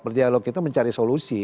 berdialog itu mencari solusi